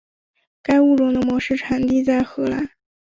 该物种的模式产地在荷兰。